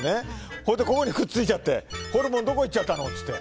それで、ここにくっついちゃってホルモン、どこに行っちゃったのっていって。